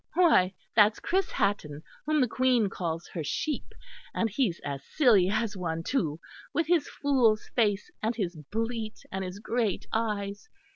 "Why that's Chris Hatton whom the Queen calls her sheep, and he's as silly as one, too, with his fool's face and his bleat and his great eyes.